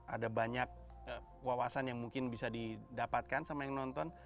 ada banyak wawasan yang mungkin bisa didapatkan sama yang nonton